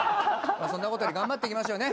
そんな事より頑張っていきましょうね。